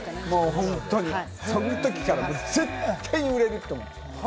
本当にそのときから絶対売れるって思ってた。